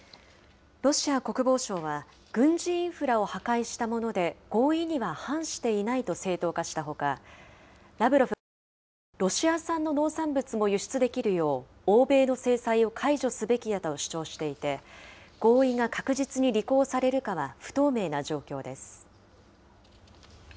ロシア国防省は、軍事インフラを破壊したもので、合意には反していないと正当化したほか、ラブロフ外相は、ロシア産の農産物も輸出できるよう、欧米の制裁を解除すべきだと主張していて、合意が確実に履行されるかは不透明な状況です。